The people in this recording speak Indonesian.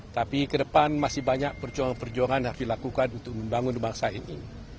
tapi ke depan masih banyak perjuangan perjuangan yang harus dilakukan untuk membangun bangsa ini